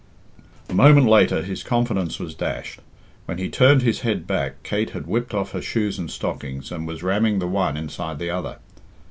A moment later his confidence was dashed. When he turned his head back Kate had whipped off her shoes and stockings, and was ramming the one inside the other.